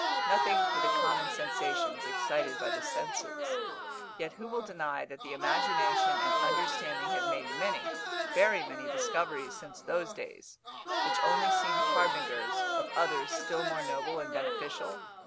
nothing for the common sensations excited by the senses. Yet who will deny that the imagination and understanding have made many, very many discoveries since those days, which only seem harbingers of others still more noble and beneficial?